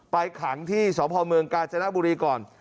ขังที่สพเมืองกาญจนบุรีก่อน